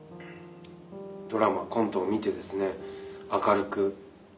コントを見てですね明るく。